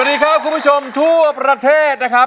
สวัสดีครับคุณผู้ชมทั่วประเทศนะครับ